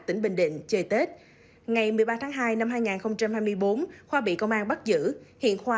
tỉnh bình định chơi tết ngày một mươi ba tháng hai năm hai nghìn hai mươi bốn khoa bị công an bắt giữ hiện khoa